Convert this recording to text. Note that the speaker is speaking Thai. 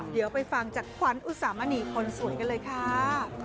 เดี๋ยวไปฟังจากขวัญอุสามณีคนสวยกันเลยค่ะ